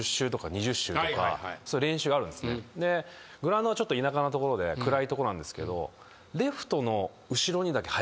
グラウンドがちょっと田舎の所で暗いとこなんですけど。